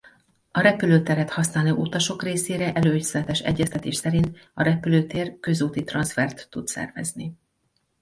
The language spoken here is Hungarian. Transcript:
A repülőteret használó utasok részére előzetes egyeztetés szerint a repülőtér közúti transzfert tud szervezni.